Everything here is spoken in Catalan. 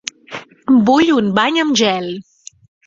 Vull un bany amb gel.